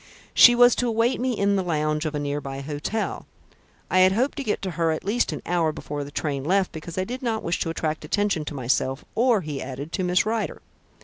She was to await me in the lounge of a near by hotel. I had hoped to get to her at least an hour before the train left, because I did not wish to attract attention to myself, or," he added, "to Miss Rider.